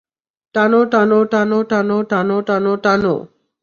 টানো, টানো, টানো, টানো, টানো, টানো, টানো!